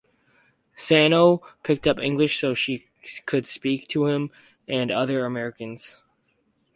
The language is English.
Sano picked up English so she could speak to him and other Americans.